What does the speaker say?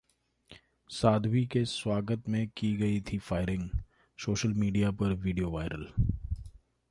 साध्वी के स्वागत में की गई थी फायरिंग, सोशल मीडिया पर वीडियो वायरल